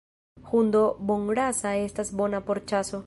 Hundo bonrasa estas bona por ĉaso.